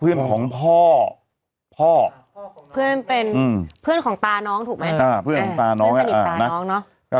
เพื่อนของตาน้องถูกไหมสนิทตาน้องเนอะ